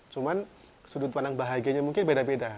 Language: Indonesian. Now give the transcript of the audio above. cuman sudut pandang bahagianya mungkin beda beda